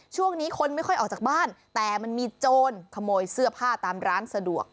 ช่วงนี้คนไม่ค่อยออกจากบ้านแต่มันมีโจรขโมยเสื้อผ้าตามร้านสะดวก